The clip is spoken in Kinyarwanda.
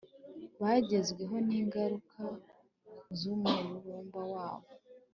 Bagezweho ningaruka zumururumba wabo